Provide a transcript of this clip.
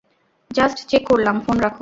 Just check করলাম, phone রাখ।